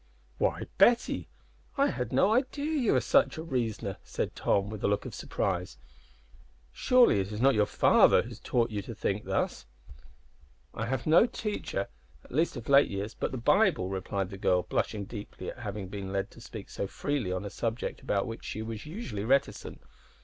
"Why, Betty, I had no idea you were such a reasoner!" said Tom, with a look of surprise. "Surely it is not your father who has taught you to think thus?" "I have had no teacher, at least of late years, but the Bible," replied the girl, blushing deeply at having been led to speak so freely on a subject about which she was usually reticent.